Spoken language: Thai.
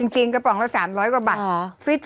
จริงกระป๋องเรา๓๐๐กว่าบัตร